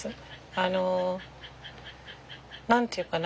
あの何て言うかな